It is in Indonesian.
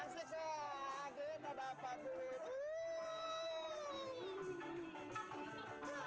asik ya kita dapat duit